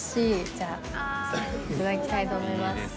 じゃあいただきたいと思います。